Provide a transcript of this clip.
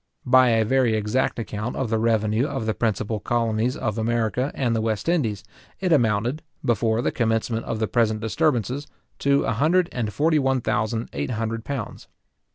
By a very exact account of the revenue of the principal colonies of America and the West Indies, it amounted, before the commencement of the present disturbances, to a hundred and forty one thousand eight hundred pounds.